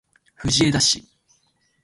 藤枝市